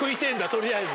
取りあえず。